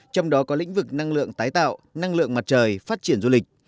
trong đó có lĩnh vực năng lượng tái tạo năng lượng mặt trời phát triển du lịch